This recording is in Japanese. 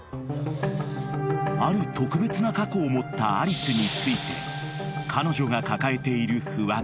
［ある特別な過去を持ったアリスについて彼女が抱えている不安